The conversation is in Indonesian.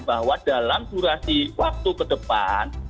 bahwa dalam durasi waktu ke depan